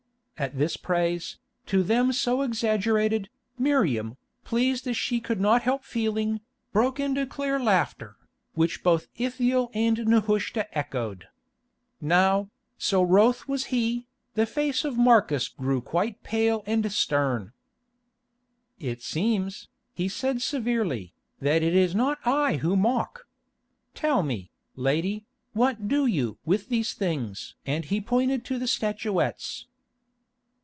At this praise, to them so exaggerated, Miriam, pleased as she could not help feeling, broke into clear laugher, which both Ithiel and Nehushta echoed. Now, so wroth was he, the face of Marcus grew quite pale and stern. "It seems," he said severely, "that it is not I who mock. Tell me, lady, what do you with these things?" and he pointed to the statuettes.